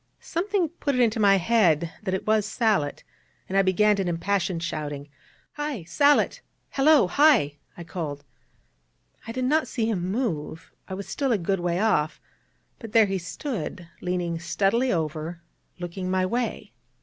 Something put it into my head that it was Sallitt, and I began an impassioned shouting. 'Hi! Sallitt! Hallo! Hi!' I called. I did not see him move: I was still a good way off: but there he stood, leaning steadily over, looking my way.